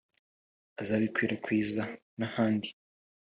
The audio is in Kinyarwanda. azabikwirakwiza n’ahandi